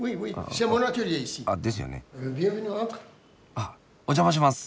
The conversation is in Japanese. あっお邪魔します。